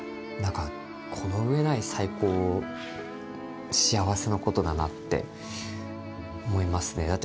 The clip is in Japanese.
何かこの上ない最高幸せなことだなって思いますね。